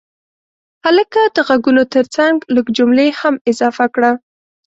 هلکه د غږونو ترڅنګ لږ جملې هم اضافه کړه.